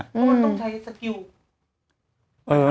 เพราะมันต้องใช้สกิล